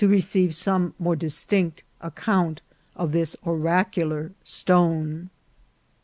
receive some more distinct account of this oracular stone."